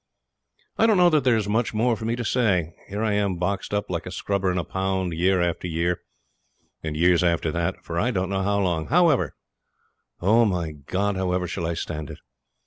..... I don't know that there's much more for me to say. Here I am boxed up, like a scrubber in a pound, year after year and years after that for I don't know how long. However, O my God! how ever shall I stand it?